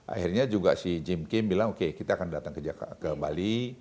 akhirnya juga si jim kim bilang oke kita akan datang ke bali